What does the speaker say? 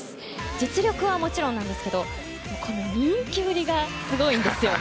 実力はもちろんですが人気ぶりがすごいんですね。